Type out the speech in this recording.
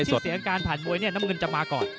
ชื่อเสียงการผ่านมวยเนี่ยน้ำเงินจะมาก่อน